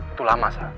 itu lama sa